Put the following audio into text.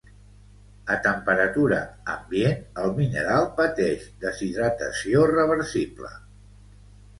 A temperatura ambient el mineral pateix deshidratació reversible.